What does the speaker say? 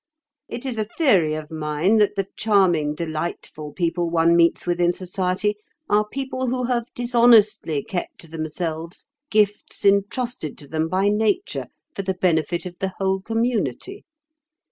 It is a theory of mine that the charming, delightful people one meets with in society are people who have dishonestly kept to themselves gifts entrusted to them by Nature for the benefit of the whole community.